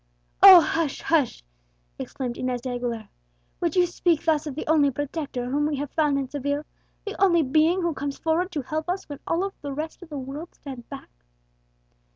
"Oh! hush! hush!" exclaimed Inez de Aguilera; "would you speak thus of the only protector whom we have found in Seville, the only being who comes forward to help us when all the rest of the world stand back?"